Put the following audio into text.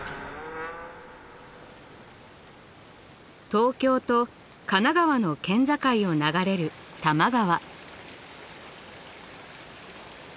東京と神奈川の県境を流れる多摩川。